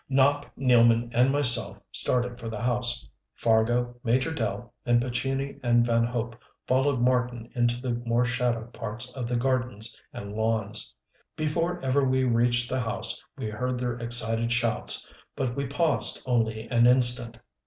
Nopp, Nealman, and myself started for the house; Fargo, Major Dell, and Pescini and Van Hope followed Marten into the more shadowed parts of the gardens and lawns. Before ever we reached the house we heard their excited shouts but we paused only an instant.